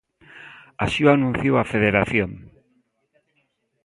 Así o anunciou a Federación.